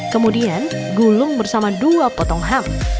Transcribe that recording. kemudian gulung bersama dua potong ham